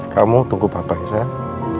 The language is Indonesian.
kamu tunggu papa ya sayang